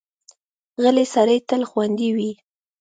غلی سړی تل خوندي وي.